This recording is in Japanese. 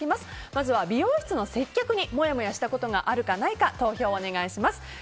まずば美容室での接客にもやもやしたことがあるかないか投票をお願いします。